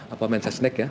apa mensesnek ya